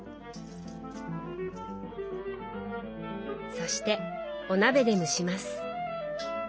そしてお鍋で蒸します。